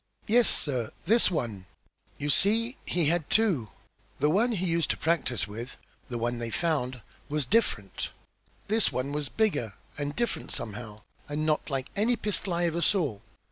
"Yes, sir! This one. You see he had two. The one he used to practise with the one they found was different. This one was bigger and different somehow, and not like any pistol I ever saw.